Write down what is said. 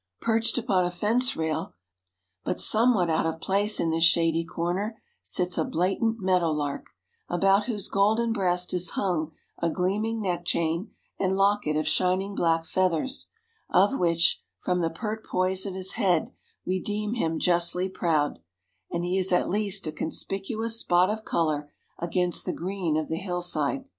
Perched upon a fence rail, but somewhat out of place in this shady corner, sits a blatant meadow lark, about whose golden breast is hung a gleaming neck chain and locket of shining black feathers, of which, from the pert poise of his head, we deem him justly proud, and he is at least a conspicuous spot of color against the green of the hillside.